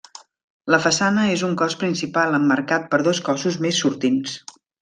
La façana és un cos principal emmarcat per dos cossos més sortints.